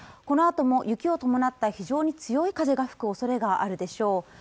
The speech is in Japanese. このあとも雪を伴った非常に強い風が吹く恐れがあるでしょう